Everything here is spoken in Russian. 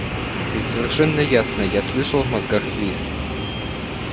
Ведь совершенно ясно я слышал в мозгах свист.